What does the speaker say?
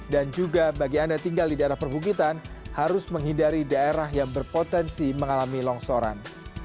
dan juga bagi anda yang tinggal di daerah pergugitan harus menghindari daerah yang berpotensi mengalami longsoran